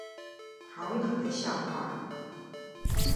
好冷的笑話